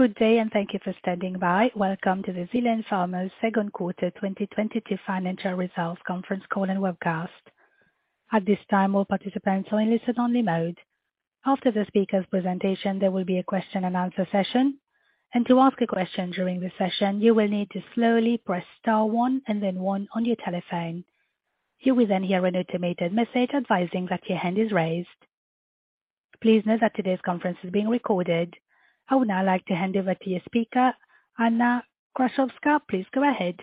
Good day and thank you for standing by. Welcome to the Zealand Pharma second quarter 2022 financial results conference call and webcast. At this time, all participants are in listen only mode. After the speaker's presentation, there will be a question and answer session. To ask a question during the session, you will need to slowly press star one and then one on your telephone. You will then hear an automated message advising that your hand is raised. Please note that today's conference is being recorded. I would now like to hand over to your speaker, Anna Krassowska. Please go ahead.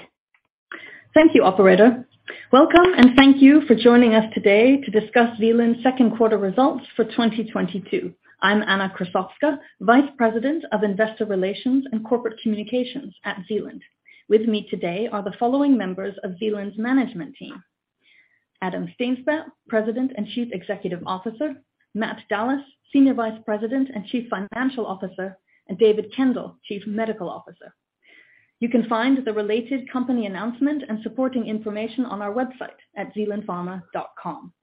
Thank you, operator. Welcome and thank you for joining us today to discuss Zealand's second quarter results for 2022. I'm Anna Krassowska, Vice President of Investor Relations and Corporate Communications at Zealand. With me today are the following members of Zealand's management team: Adam Steensberg, President and Chief Executive Officer, Matthew Dallas, Senior Vice President and Chief Financial Officer, and David Kendall, Chief Medical Officer. You can find the related company announcement and supporting information on our website at zealandpharma.com.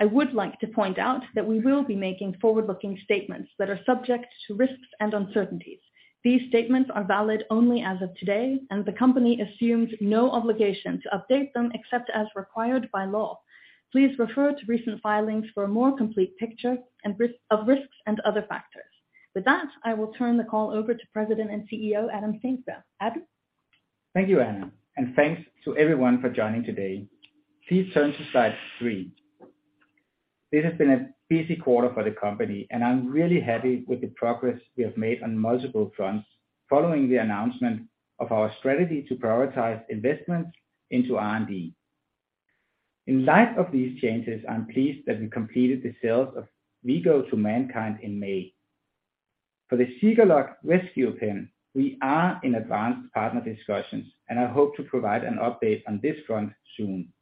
I would like to point out that we will be making forward-looking statements that are subject to risks and uncertainties. These statements are valid only as of today, and the company assumes no obligation to update them except as required by law. Please refer to recent filings for a more complete picture of risks and other factors. With that, I will turn the call over to President and CEO, Adam Steensberg. Adam? Thank you, Anna, and thanks to everyone for joining today. Please turn to slide three. This has been a busy quarter for the company, and I'm really happy with the progress we have made on multiple fronts following the announcement of our strategy to prioritize investments into R&D. In light of these changes, I'm pleased that we completed the sales of V-Go to MannKind in May. For the Zegalogue rescue pen, we are in advanced partner discussions, and I hope to provide an update on this front soon.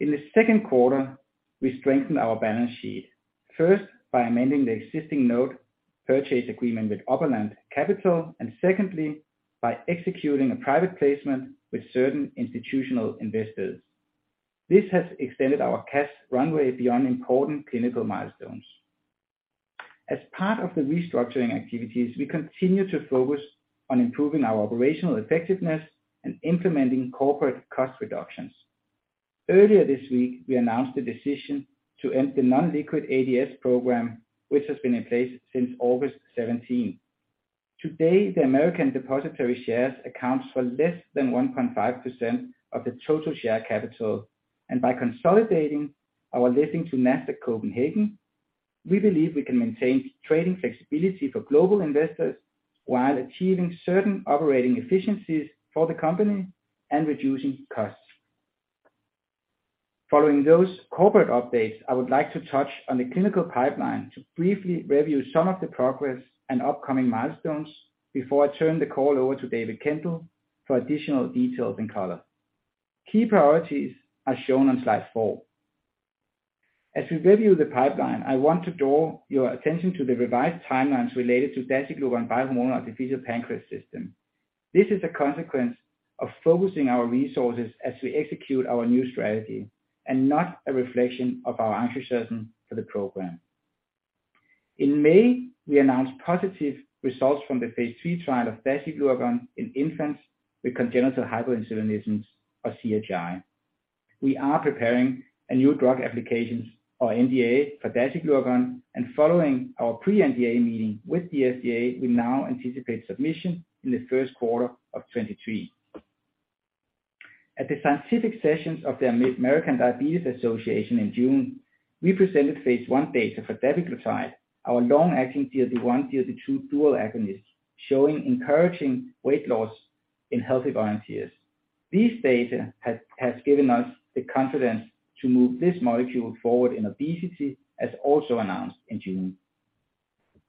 In the second quarter, we strengthened our balance sheet, first by amending the existing note purchase agreement with Oberland Capital, and secondly, by executing a private placement with certain institutional investors. This has extended our cash runway beyond important clinical milestones. As part of the restructuring activities, we continue to focus on improving our operational effectiveness and implementing corporate cost reductions. Earlier this week, we announced the decision to end the non-liquid ADS program, which has been in place since August 2017. Today, the American depository shares accounts for less than 1.5% of the total share capital. By consolidating our listing to Nasdaq Copenhagen, we believe we can maintain trading flexibility for global investors while achieving certain operating efficiencies for the company and reducing costs. Following those corporate updates, I would like to touch on the clinical pipeline to briefly review some of the progress and upcoming milestones before I turn the call over to David Kendall for additional details and color. Key priorities are shown on slide four. As we review the pipeline, I want to draw your attention to the revised timelines related to dasiglucagon bi-hormonal artificial pancreas system. This is a consequence of focusing our resources as we execute our new strategy and not a reflection of our interest for the program. In May, we announced positive results from the phase III trial of dasiglucagon in infants with congenital hyperinsulinism or CHI. We are preparing a new drug application or NDA for dasiglucagon, and following our pre-NDA meeting with the FDA, we now anticipate submission in the first quarter of 2023. At the scientific sessions of the American Diabetes Association in June, we presented phase I data for dapiglutide, our long-acting GLP-1, GLP-2 dual agonist, showing encouraging weight loss in healthy volunteers. This data has given us the confidence to move this molecule forward in obesity, as also announced in June.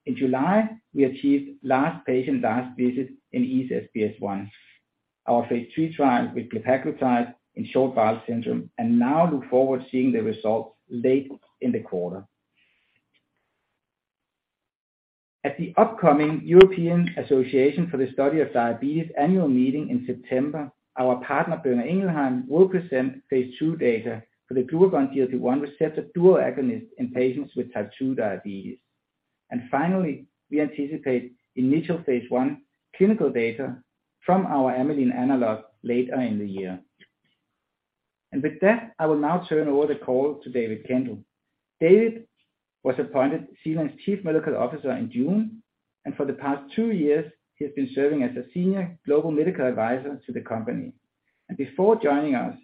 In July, we achieved last patient last visit in EASE 1, our phase III trial with glepaglutide in short bowel syndrome, and now look forward to seeing the results late in the quarter. At the upcoming European Association for the Study of Diabetes annual meeting in September, our partner, Boehringer Ingelheim, will present phase II data for the glucagon/GLP-1 receptor dual agonist in patients with type 2 diabetes. Finally, we anticipate initial phase I clinical data from our amylin analog later in the year. With that, I will now turn over the call to David Kendall. David was appointed Zealand's Chief Medical Officer in June, and for the past two years, he has been serving as a Senior Global Medical Advisor to the company. Before joining us,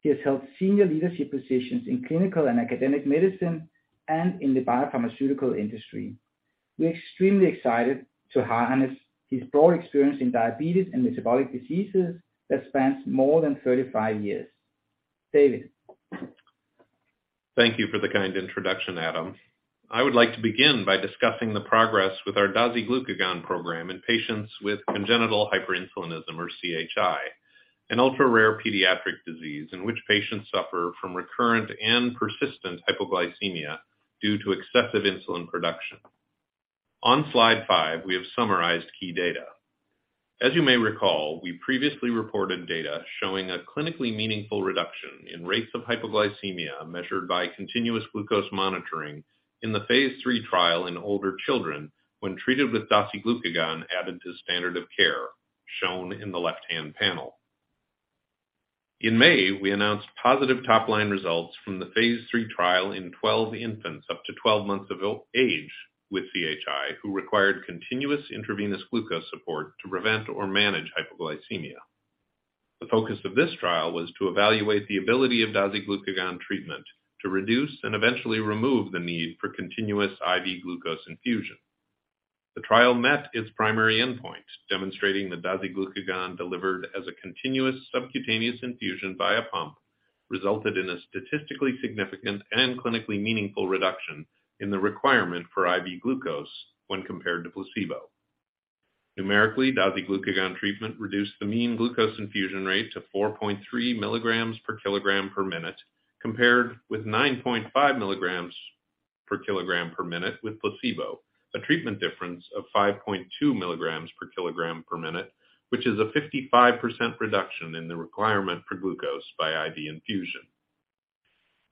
he has held senior leadership positions in clinical and academic medicine and in the biopharmaceutical industry. We're extremely excited to harness his broad experience in diabetes and metabolic diseases that spans more than 35 years. David? Thank you for the kind introduction, Adam. I would like to begin by discussing the progress with our dasiglucagon program in patients with congenital hyperinsulinism or CHI, an ultra-rare pediatric disease in which patients suffer from recurrent and persistent hypoglycemia due to excessive insulin production. On slide five, we have summarized key data. As you may recall, we previously reported data showing a clinically meaningful reduction in rates of hypoglycemia measured by continuous glucose monitoring in the phase III trial in older children when treated with dasiglucagon added to standard of care, shown in the left-hand panel. In May, we announced positive top-line results from the phase III trial in 12 infants up to 12 months of age with CHI who required continuous intravenous glucose support to prevent or manage hypoglycemia. The focus of this trial was to evaluate the ability of dasiglucagon treatment to reduce and eventually remove the need for continuous IV glucose infusion. The trial met its primary endpoint, demonstrating that dasiglucagon delivered as a continuous subcutaneous infusion by a pump, resulted in a statistically significant and clinically meaningful reduction in the requirement for IV glucose when compared to placebo. Numerically, dasiglucagon treatment reduced the mean glucose infusion rate to 4.3 milligrams per kilogram per minute, compared with 9.5 milligrams per kilogram per minute with placebo. A treatment difference of 5.2 milligrams per kilogram per minute, which is a 55% reduction in the requirement for glucose by IV infusion.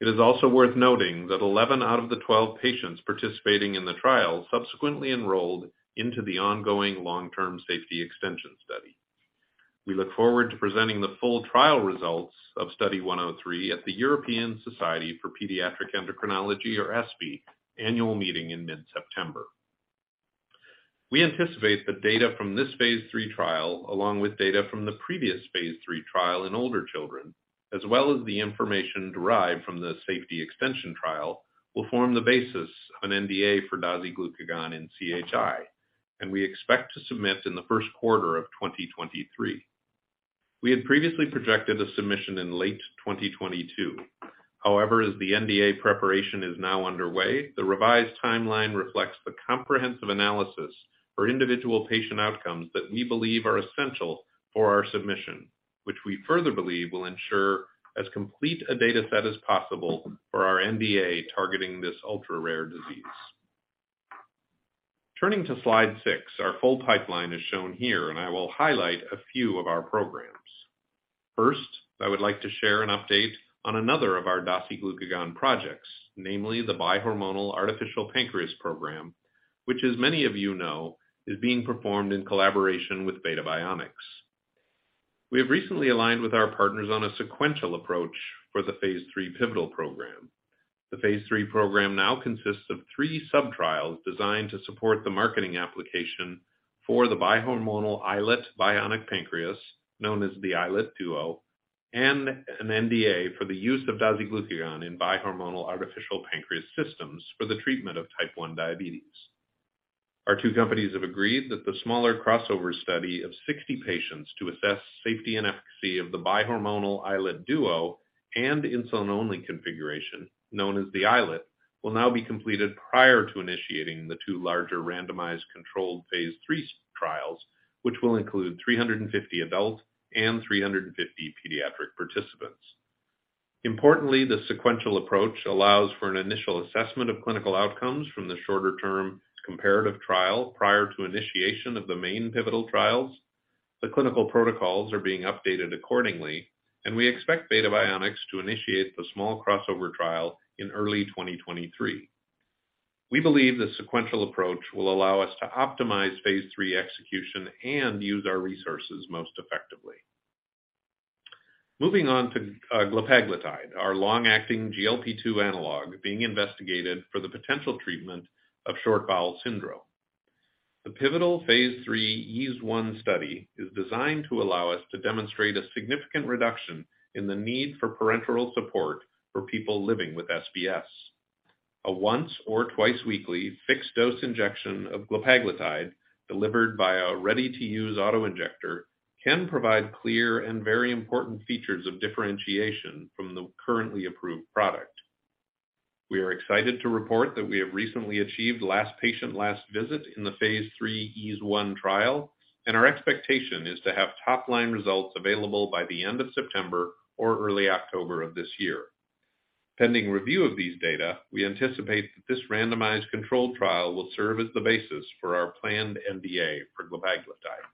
It is also worth noting that 11 out of the 12 patients participating in the trial subsequently enrolled into the ongoing long-term safety extension study. We look forward to presenting the full trial results of study 103 at the European Society for Pediatric Endocrinology, or ESPE, annual meeting in mid-September. We anticipate the data from this phase III trial, along with data from the previous phase III trial in older children, as well as the information derived from the safety extension trial, will form the basis of an NDA for dasiglucagon in CHI, and we expect to submit in the first quarter of 2023. We had previously projected a submission in late 2022. However, as the NDA preparation is now underway, the revised timeline reflects the comprehensive analysis for individual patient outcomes that we believe are essential for our submission, which we further believe will ensure as complete a data set as possible for our NDA targeting this ultra-rare disease. Turning to slide six, our full pipeline is shown here, and I will highlight a few of our programs. First, I would like to share an update on another of our dasiglucagon projects, namely the bi-hormonal artificial pancreas program, which as many of you know, is being performed in collaboration with Beta Bionics. We have recently aligned with our partners on a sequential approach for the phase III pivotal program. The phase III program now consists of three sub-trials designed to support the marketing application for the bi-hormonal iLet bionic pancreas, known as the iLet Duo, and an NDA for the use of dasiglucagon in bi-hormonal artificial pancreas systems for the treatment of type 1 diabetes. Our two companies have agreed that the smaller crossover study of 60 patients to assess safety and efficacy of the bi-hormonal iLet Duo and insulin-only configuration, known as the iLet, will now be completed prior to initiating the two larger randomized controlled phase III trials, which will include 350 adult and 350 pediatric participants. Importantly, the sequential approach allows for an initial assessment of clinical outcomes from the shorter-term comparative trial prior to initiation of the main pivotal trials. The clinical protocols are being updated accordingly, and we expect Beta Bionics to initiate the small crossover trial in early 2023. We believe the sequential approach will allow us to optimize phase III execution and use our resources most effectively. Moving on to glepaglutide, our long-acting GLP-2 analog being investigated for the potential treatment of short bowel syndrome. The pivotal phase III EASE 1 study is designed to allow us to demonstrate a significant reduction in the need for parenteral support for people living with SBS. A once or twice weekly fixed-dose injection of glepaglutide delivered by a ready-to-use auto-injector can provide clear and very important features of differentiation from the currently approved product. We are excited to report that we have recently achieved last patient last visit in the phase III EASE 1 trial, and our expectation is to have top-line results available by the end of September or early October of this year. Pending review of these data, we anticipate that this randomized controlled trial will serve as the basis for our planned NDA for glepaglutide.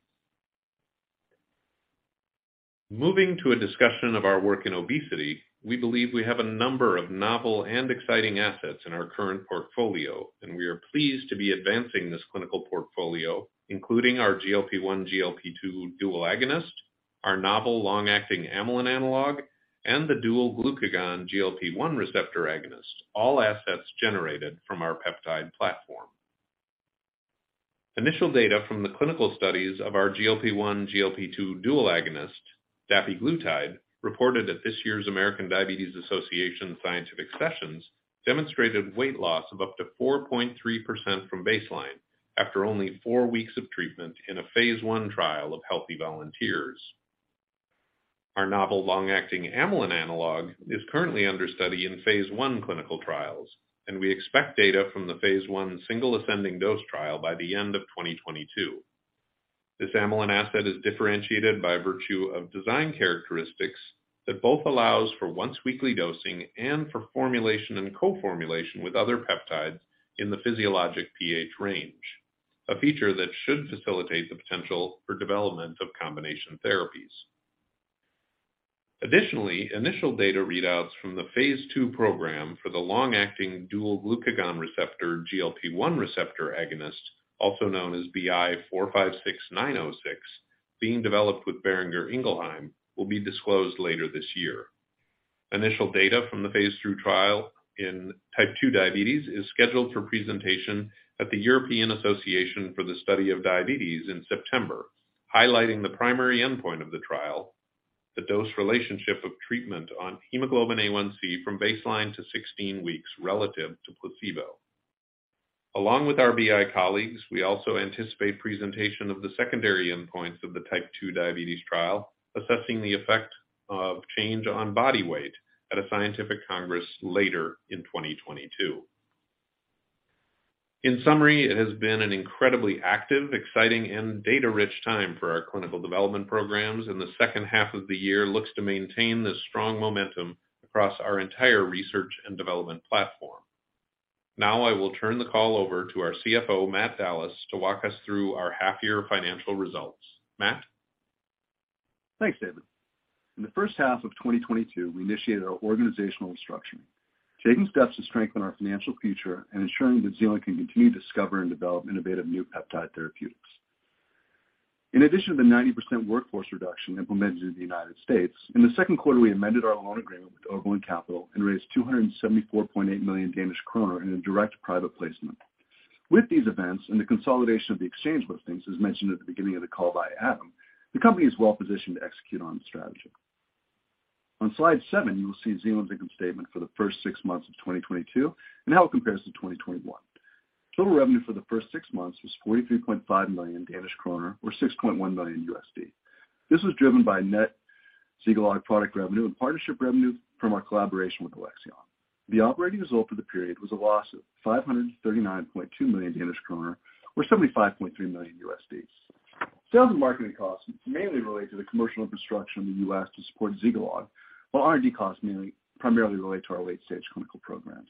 Moving to a discussion of our work in obesity, we believe we have a number of novel and exciting assets in our current portfolio, and we are pleased to be advancing this clinical portfolio, including our GLP-1/GLP-2 dual agonist, our novel long-acting amylin analog, and the dual glucagon/GLP-1 receptor agonist, all assets generated from our peptide platform. Initial data from the clinical studies of our GLP-1/GLP-2 dual agonist, dapiglutide, reported at this year's American Diabetes Association Scientific Sessions, demonstrated weight loss of up to 4.3% from baseline after only four weeks of treatment in a phase I trial of healthy volunteers. Our novel long-acting amylin analog is currently under study in phase I clinical trials, and we expect data from the phase I single ascending dose trial by the end of 2022. This amylin asset is differentiated by virtue of design characteristics that both allows for once weekly dosing and for formulation and co-formulation with other peptides in the physiologic pH range, a feature that should facilitate the potential for development of combination therapies. Additionally, initial data readouts from the phase II program for the long-acting dual glucagon receptor, GLP-1 receptor agonist, also known as BI456906, being developed with Boehringer Ingelheim, will be disclosed later this year. Initial data from the phase III trial in type 2 diabetes is scheduled for presentation at the European Association for the Study of Diabetes in September, highlighting the primary endpoint of the trial, the dose relationship of treatment on hemoglobin A1c from baseline to 16 weeks relative to placebo. Along with our BI colleagues, we also anticipate presentation of the secondary endpoints of the type 2 diabetes trial, assessing the effect of change on body weight at a scientific congress later in 2022. In summary, it has been an incredibly active, exciting, and data-rich time for our clinical development programs, and the second half of the year looks to maintain this strong momentum across our entire research and development platform. Now I will turn the call over to our CFO, Matt Dallas, to walk us through our half-year financial results. Matt? Thanks, David. In the first half of 2022, we initiated our organizational restructuring, taking steps to strengthen our financial future and ensuring that Zealand can continue to discover and develop innovative new peptide therapeutics. In addition to the 90% workforce reduction implemented in the United States, in the second quarter, we amended our loan agreement with Oberland Capital and raised 274.8 million Danish kroner in a direct private placement. With these events and the consolidation of the exchange listings, as mentioned at the beginning of the call by Adam, the company is well positioned to execute on the strategy. On slide seven, you will see Zealand's income statement for the first six months of 2022 and how it compares to 2021. Total revenue for the first six months was 43.5 million Danish kroner, or $6.1 million. This was driven by net Zegalogue product revenue and partnership revenue from our collaboration with Alexion. The operating result for the period was a loss of 539.2 million Danish kroner, or $75.3 million. Sales and marketing costs mainly relate to the commercial infrastructure in the U.S. to support Zegalogue, while R&D costs primarily relate to our late-stage clinical programs.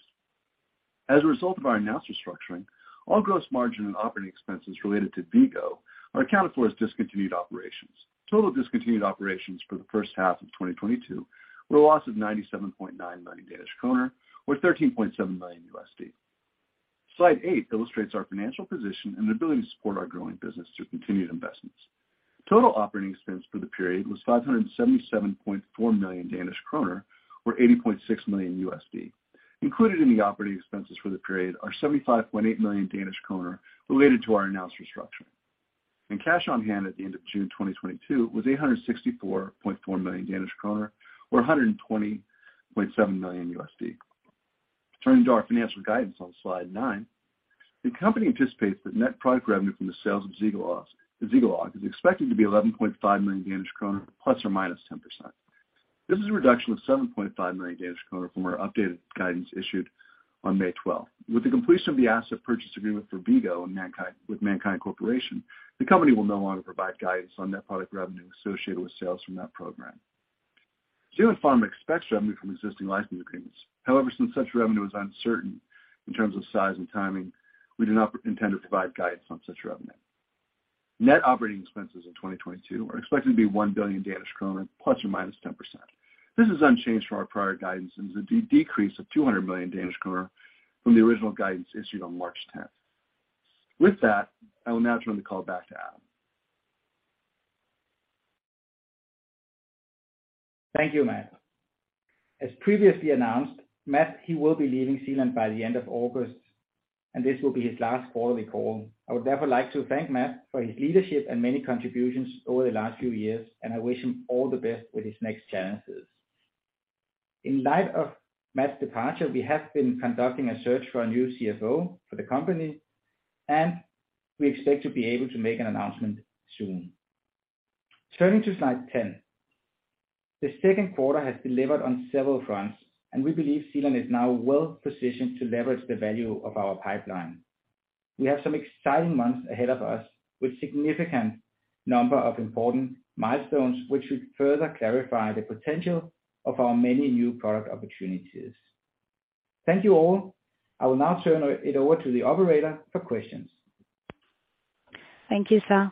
As a result of our announced restructuring, all gross margin and operating expenses related to V-Go are accounted for as discontinued operations. Total discontinued operations for the first half of 2022 were a loss of 97.9 million Danish kroner, or $13.7 million. Slide eight illustrates our financial position and the ability to support our growing business through continued investments. Total operating expense for the period was 577.4 million Danish kroner, or $80.6 million. Included in the operating expenses for the period are 75.8 million Danish kroner related to our announced restructuring. Cash on hand at the end of June 2022 was 864.4 million Danish kroner, or $120.7 million. Turning to our financial guidance on slide nine, the company anticipates that net product revenue from the sales of Zegalogue is expected to be 11.5 million Danish kroner, ±10%. This is a reduction of 7.5 million Danish kroner from our updated guidance issued on May twelfth. With the completion of the asset purchase agreement for V-Go in MannKind Corporation, the company will no longer provide guidance on net product revenue associated with sales from that program. Zealand Pharma expects revenue from existing licensing agreements. However, since such revenue is uncertain in terms of size and timing, we do not intend to provide guidance on such revenue. Net operating expenses in 2022 are expected to be 1 billion Danish kroner ±10%. This is unchanged from our prior guidance and is a decrease of 200 million Danish kroner from the original guidance issued on March tenth. With that, I will now turn the call back to Adam. Thank you, Matt. As previously announced, Matt, he will be leaving Zealand by the end of August, and this will be his last quarterly call. I would therefore like to thank Matt for his leadership and many contributions over the last few years, and I wish him all the best with his next challenges. In light of Matt's departure, we have been conducting a search for a new CFO for the company, and we expect to be able to make an announcement soon. Turning to slide 10. This second quarter has delivered on several fronts, and we believe Zealand is now well-positioned to leverage the value of our pipeline. We have some exciting months ahead of us with significant number of important milestones, which should further clarify the potential of our many new product opportunities. Thank you all. I will now turn it over to the operator for questions. Thank you, sir.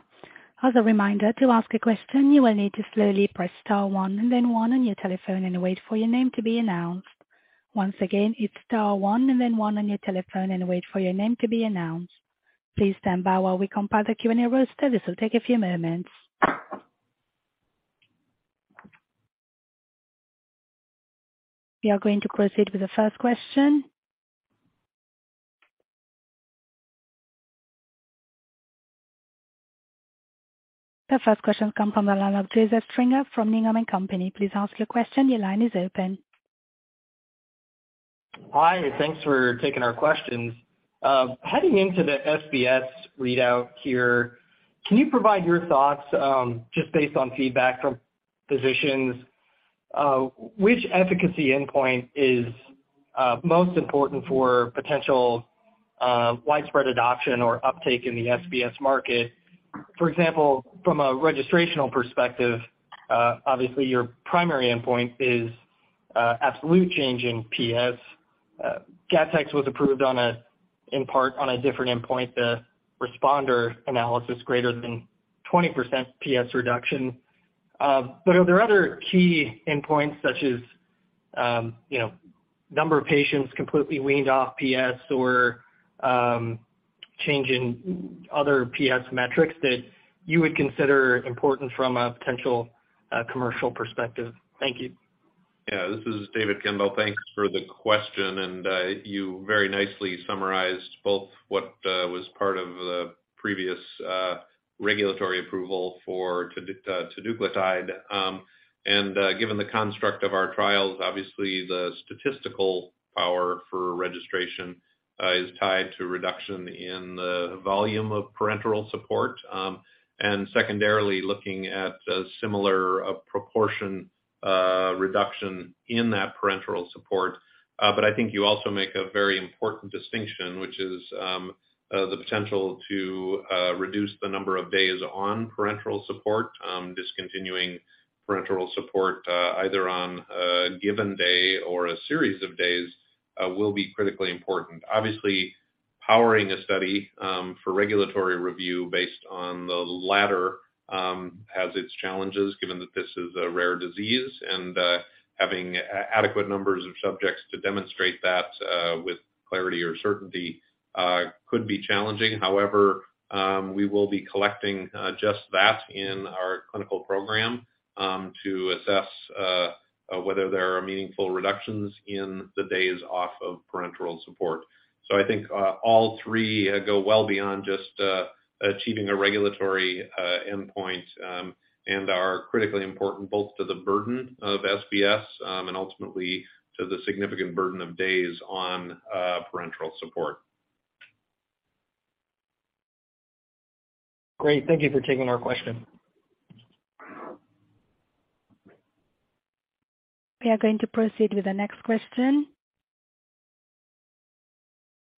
As a reminder, to ask a question, you will need to slowly press star one and then one on your telephone and wait for your name to be announced. Once again, it's star one and then one on your telephone and wait for your name to be announced. Please stand by while we compile the Q&A roster. This will take a few moments. We are going to proceed with the first question. The first question comes from the line of Joseph Stringer from Needham & Company. Please ask your question. Your line is open. Hi, thanks for taking our questions. Heading into the SBS readout here, can you provide your thoughts, just based on feedback from physicians, which efficacy endpoint is most important for potential widespread adoption or uptake in the SBS market? For example, from a registrational perspective, obviously your primary endpoint is absolute change in PS. Gattex was approved on a, in part on a different endpoint, the responder analysis greater than 20% PS reduction. But are there other key endpoints such as, you know, number of patients completely weaned off PS or, change in other PS metrics that you would consider important from a potential commercial perspective? Thank you. Yeah. This is David Kendall. Thanks for the question, and you very nicely summarized both what was part of the previous regulatory approval for teduglutide. Given the construct of our trials, obviously the statistical power for registration is tied to reduction in the volume of parenteral support, and secondarily, looking at a similar proportion reduction in that parenteral support. I think you also make a very important distinction, which is the potential to reduce the number of days on parenteral support. Discontinuing parenteral support either on a given day or a series of days will be critically important. Obviously, powering a study for regulatory review based on the latter has its challenges, given that this is a rare disease, and having adequate numbers of subjects to demonstrate that with clarity or certainty could be challenging. However, we will be collecting just that in our clinical program to assess whether there are meaningful reductions in the days off of parenteral support. I think all three go well beyond just achieving a regulatory endpoint and are critically important both to the burden of SBS and ultimately to the significant burden of days on parenteral support. Great. Thank you for taking our question. We are going to proceed with the next question.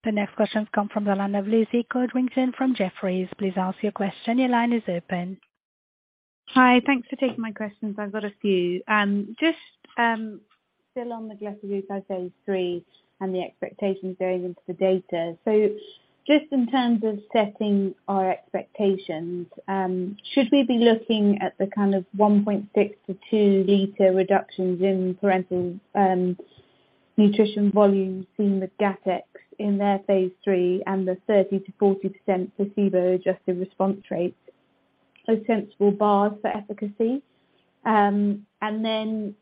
The next question comes from the line of Lucy Codrington from Jefferies. Please ask your question. Your line is open. Hi. Thanks for taking my questions. I've got a few. Just, still on the glepaglutide phase III and the expectations going into the data. Just in terms of setting our expectations, should we be looking at the kind of 1.6-2 liter reductions in parenteral nutrition volume seen with Gattex in their phase III and the 30%-40% placebo-adjusted response rates as sensible bars for efficacy? Then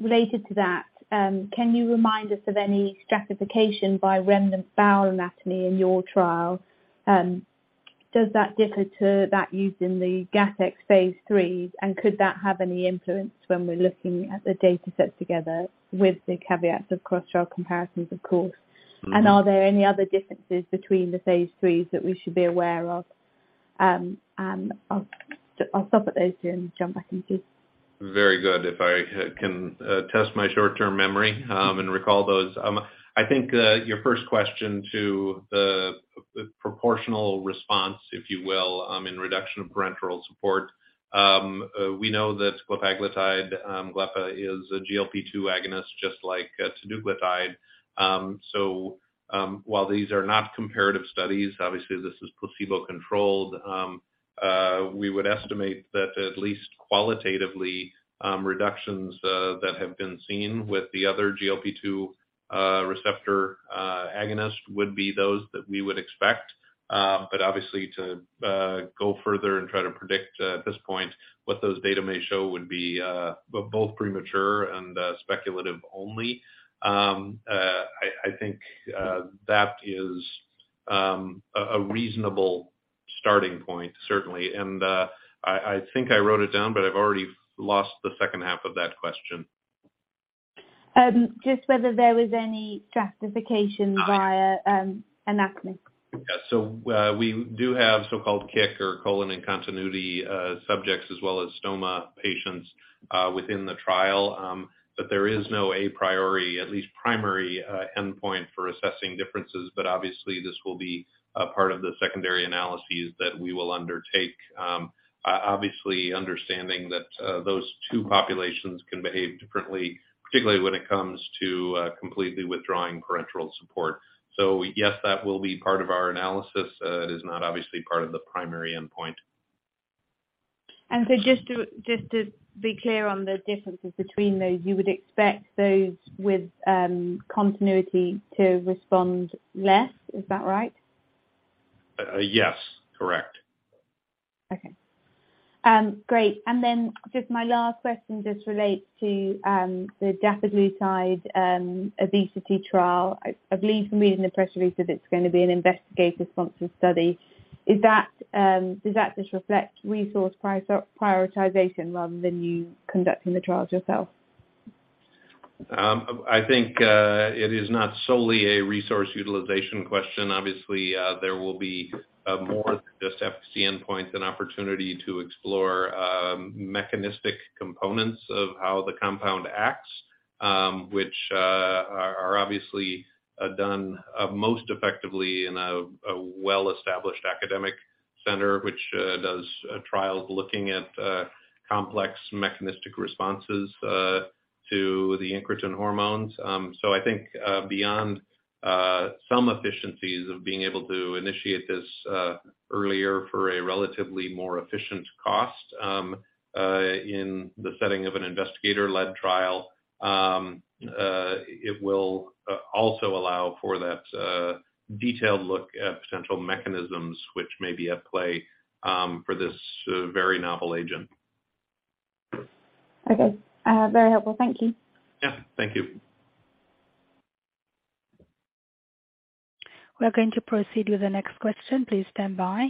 related to that, can you remind us of any stratification by remnant bowel anatomy in your trial? Does that differ to that used in the Gattex phase III, and could that have any influence when we're looking at the data set together with the caveats of cross-trial comparisons, of course? Mm-hmm. Are there any other differences between the phase IIIs that we should be aware of? I'll stop at those two and jump back into. Very good. If I can test my short-term memory and recall those. I think your first question to the proportional response, if you will, in reduction of parenteral support. We know that glepaglutide, glepa, is a GLP-2 agonist just like teduglutide. So, while these are not comparative studies, obviously this is placebo-controlled, we would estimate that at least qualitatively, reductions that have been seen with the other GLP-2 receptor agonist would be those that we would expect. But obviously to go further and try to predict at this point what those data may show would be both premature and speculative only. I think that is a reasonable starting point, certainly. I think I wrote it down, but I've already lost the second half of that question. Just whether there was any stratification via anatomy? Yeah. We do have so-called colon-in-continuity or colon continuity subjects as well as stoma patients within the trial. There is no a priori, at least primary, endpoint for assessing differences. Obviously this will be a part of the secondary analyses that we will undertake. Obviously understanding that those two populations can behave differently, particularly when it comes to completely withdrawing parenteral support. Yes, that will be part of our analysis. It is not obviously part of the primary endpoint. Just to be clear on the differences between those, you would expect those with continuity to respond less. Is that right? Yes, correct. Okay. Great. Then just my last question just relates to the dapiglutide obesity trial. I believe from reading the press release that it's going to be an investigator-sponsored study. Does that just reflect resource prioritization rather than you conducting the trials yourself? I think it is not solely a resource utilization question. Obviously, there will be more than just FC endpoints, an opportunity to explore mechanistic components of how the compound acts. Which are obviously done most effectively in a well-established academic center, which does trials looking at complex mechanistic responses to the incretin hormones. I think beyond some efficiencies of being able to initiate this earlier for a relatively more efficient cost in the setting of an investigator-led trial, it will also allow for that detailed look at potential mechanisms which may be at play for this very novel agent. Okay. Very helpful. Thank you. Yeah. Thank you. We are going to proceed with the next question. Please stand by.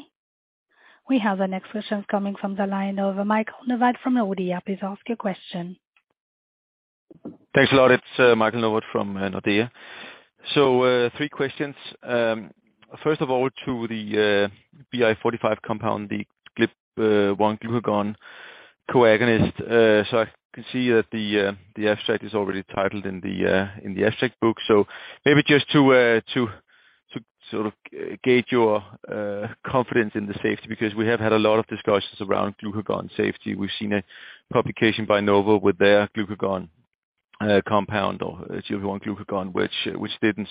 We have the next question coming from the line of Michael Novod from Nordea. Please ask your question. Thanks a lot. It's Michael Novod from Nordea. Three questions. First of all, to the BI 456906 compound, the GLP-1 glucagon co-agonist. I can see that the abstract is already titled in the abstract book. Maybe just to gauge your confidence in the safety, because we have had a lot of discussions around glucagon safety. We've seen a publication by Novo with their glucagon compound or GLP-1 glucagon, which didn't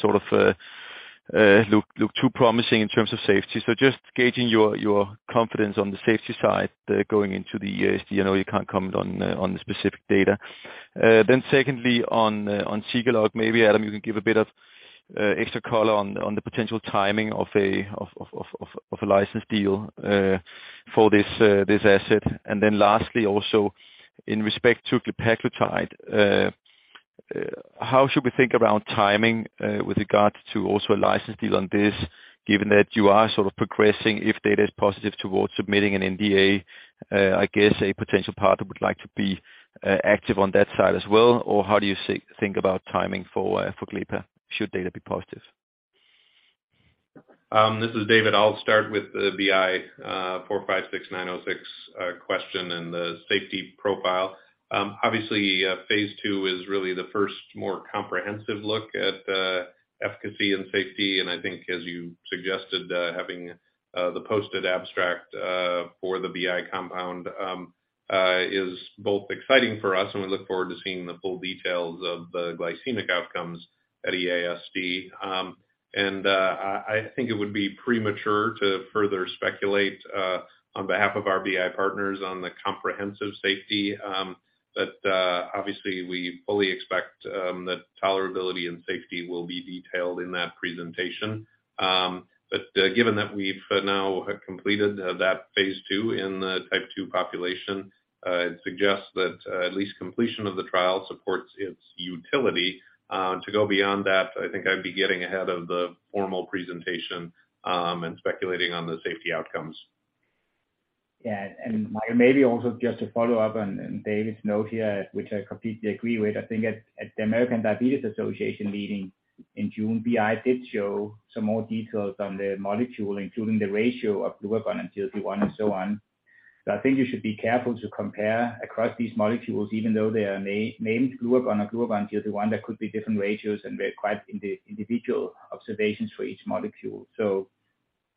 look too promising in terms of safety. Just gauging your confidence on the safety side going into the EASD. I know you can't comment on the specific data. Secondly, on Zegalogue, maybe, Adam, you can give a bit of extra color on the potential timing of a license deal for this asset. Lastly, also in respect to glepaglutide, how should we think around timing with regard to also a license deal on this, given that you are sort of progressing if data is positive towards submitting an NDA. I guess a potential partner would like to be active on that side as well. How do you think about timing for glepa, should data be positive? This is David. I'll start with the BI 456906 question and the safety profile. Obviously, phase II is really the first more comprehensive look at efficacy and safety. I think as you suggested, having the posted abstract for the BI compound is both exciting for us, and we look forward to seeing the full details of the glycemic outcomes at EASD. I think it would be premature to further speculate on behalf of our BI partners on the comprehensive safety. Obviously we fully expect that tolerability and safety will be detailed in that presentation. Given that we've now completed that phase II in the type 2 population, it suggests that at least completion of the trial supports its utility. To go beyond that, I think I'd be getting ahead of the formal presentation and speculating on the safety outcomes. Yeah. Maybe also just to follow up on David's note here, which I completely agree with. I think at the American Diabetes Association meeting in June, BI did show some more details on the molecule, including the ratio of glucagon and GLP-1 and so on. I think you should be careful to compare across these molecules, even though they are named glucagon or glucagon GLP-1, there could be different ratios, and they're quite individual observations for each molecule.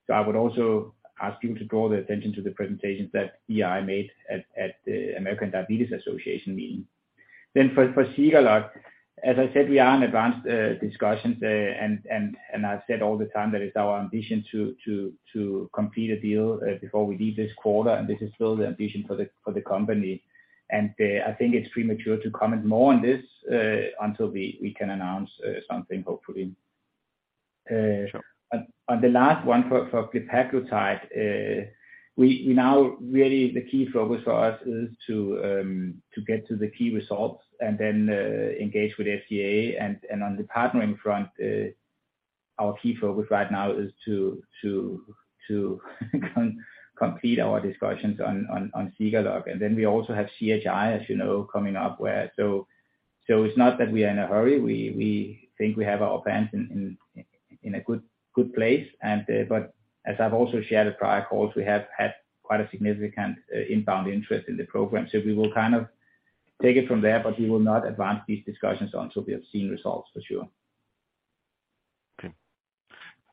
I would also ask you to draw the attention to the presentations that BI made at the American Diabetes Association meeting. For Zegalogue, as I said, we are in advanced discussions. I've said all the time that it's our ambition to complete a deal before we leave this quarter, and this is still the ambition for the company. I think it's premature to comment more on this until we can announce something hopefully. Sure. On the last one for glepaglutide, we now really the key focus for us is to get to the key results and then engage with FDA. On the partnering front, our key focus right now is to complete our discussions on Zegalogue. Then we also have CHI, as you know, coming up. It's not that we are in a hurry. We think we have our events in a good place. But as I've also shared at prior calls, we have had quite a significant inbound interest in the program. We will kind of take it from there, but we will not advance these discussions until we have seen results for sure. Okay.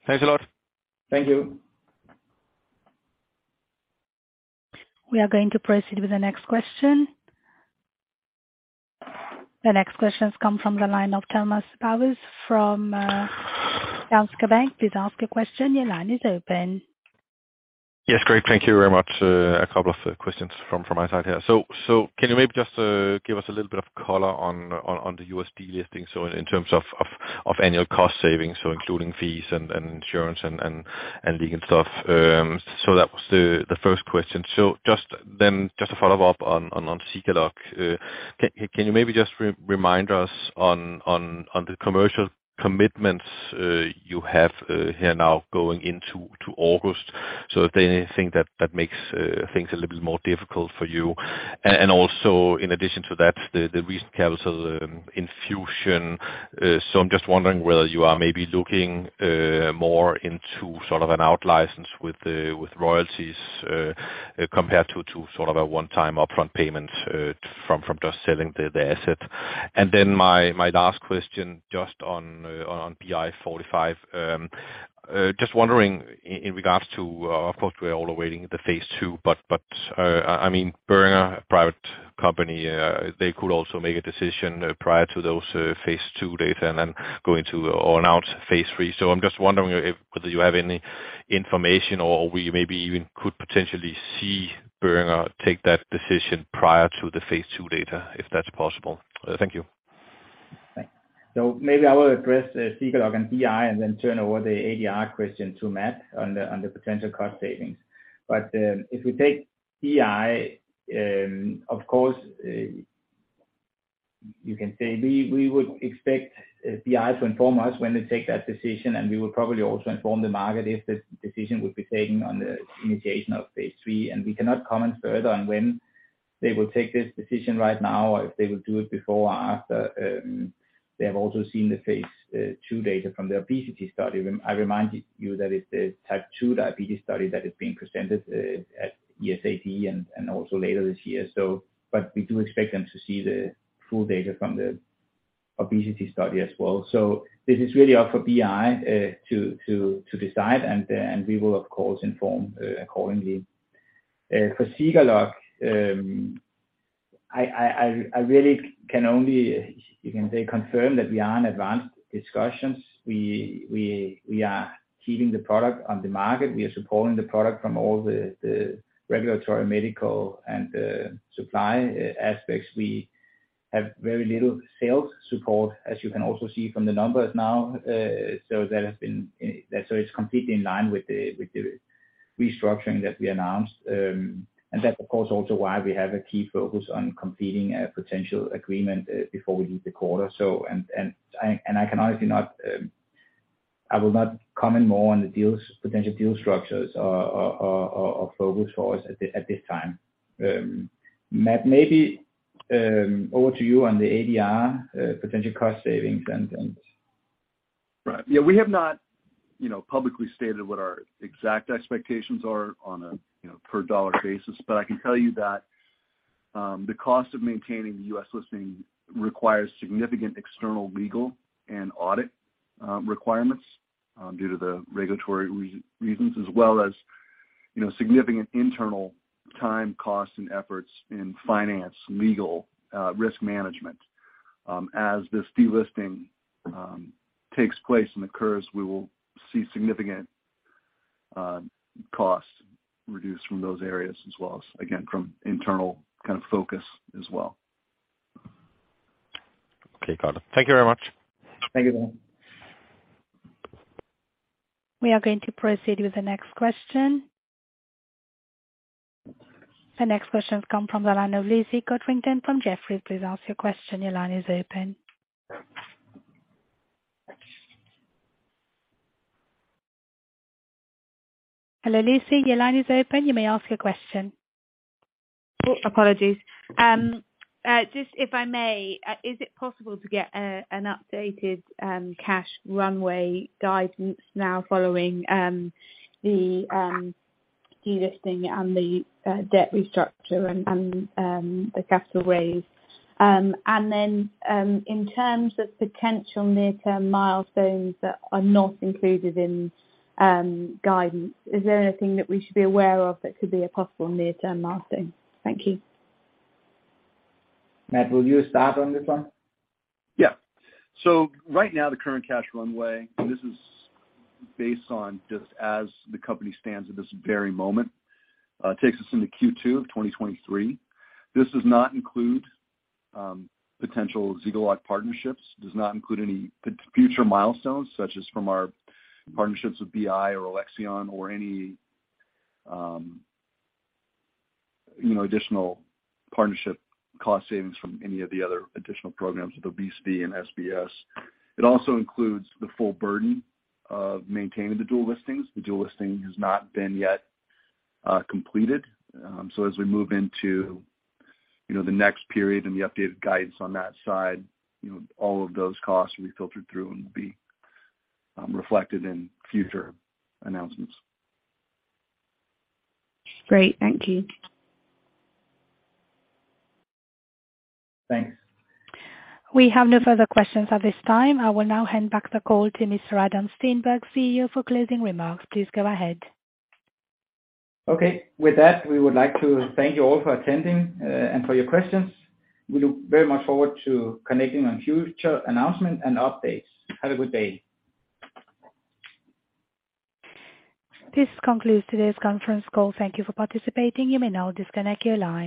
Thanks a lot. Thank you. We are going to proceed with the next question. The next question comes from the line of Thomas Bowers from Danske Bank. Please ask your question. Your line is open. Yes. Great. Thank you very much. A couple of questions from my side here. Can you maybe just give us a little bit of color on the USD listing, so in terms of annual cost savings, so including fees and insurance and legal stuff. That was the first question. Just to follow up on Zegalogue, can you maybe just remind us on the commercial commitments you have here now going into August. If there anything that makes things a little bit more difficult for you. Also in addition to that, the recent capital infusion. I'm just wondering whether you are maybe looking more into sort of an out license with royalties compared to sort of a one-time upfront payment from just selling the asset. My last question just on BI 456906. Just wondering in regards to, of course we are all awaiting the phase II, but I mean, Boehringer Ingelheim, a private company, they could also make a decision prior to those phase II data and then going to or announce phase III. I'm just wondering whether you have any information or we maybe even could potentially see Boehringer Ingelheim take that decision prior to the phase II data, if that's possible. Thank you. Maybe I will address the Zegalogue and BI and then turn over the ADR question to Matt on the potential cost savings. If we take BI, of course, you can say we would expect BI to inform us when they take that decision, and we will probably also inform the market if the decision will be taken on the initiation of phase III. We cannot comment further on when they will take this decision right now or if they will do it before or after. They have also seen the phase II data from their obesity study. I reminded you that it's a type 2 diabetes study that is being presented at EASD and also later this year. We do expect them to see the full data from the obesity study as well. This is really up for BI to decide and we will of course inform accordingly. For Zegalogue, I really can only, you can say, confirm that we are in advanced discussions. We are keeping the product on the market. We are supporting the product from all the regulatory, medical and supply aspects. We have very little sales support, as you can also see from the numbers now. That has been completely in line with the restructuring that we announced. That's of course also why we have a key focus on completing a potential agreement before we leave the quarter. I will not comment more on the deals, potential deal structures or focus for us at this time. Matt, maybe over to you on the ADR potential cost savings and. Right. Yeah, we have not, you know, publicly stated what our exact expectations are on a, you know, per dollar basis, but I can tell you that the cost of maintaining the U.S. listing requires significant external legal and audit requirements due to the regulatory reasons as well as, you know, significant internal time, costs, and efforts in finance, legal, risk management. As this delisting takes place and occurs, we will see significant costs reduced from those areas as well as again, from internal kind of focus as well. Okay. Got it. Thank you very much. Thank you. We are going to proceed with the next question. The next question come from the line of Lucy Codrington from Jefferies. Please ask your question. Your line is open. Hello, Lucy, your line is open. You may ask your question. Apologies. Just if I may, is it possible to get an updated cash runway guidance now following the delisting and the debt restructure and the capital raise? In terms of potential near-term milestones that are not included in guidance, is there anything that we should be aware of that could be a possible near-term milestone? Thank you. Matt, will you start on this one? Yeah. Right now the current cash runway, this is based on just as the company stands at this very moment, takes us into Q2 of 2023. This does not include potential Zegalogue partnerships. Does not include any future milestones such as from our partnerships with BI or Alexion or any, you know, additional partnership cost savings from any of the other additional programs with obesity and SBS. It also includes the full burden of maintaining the dual listings. The dual listing has not yet been completed. As we move into, you know, the next period and the updated guidance on that side, you know, all of those costs will be filtered through and will be reflected in future announcements. Great. Thank you. Thanks. We have no further questions at this time. I will now hand back the call to Mr. Adam Steensberg, CEO, for closing remarks. Please go ahead. Okay. With that, we would like to thank you all for attending, and for your questions. We look very much forward to connecting on future announcement and updates. Have a good day. This concludes today's conference call. Thank you for participating. You may now disconnect your lines.